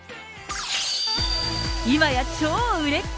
今や、超売れっ子。